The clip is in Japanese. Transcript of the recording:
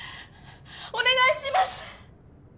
お願いします！